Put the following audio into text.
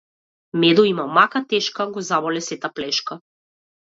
Медо има мака тешка го заболе сета плешка.